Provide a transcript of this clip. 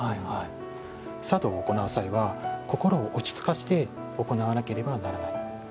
茶道を行う際は心を落ち着かせて行わなければならない。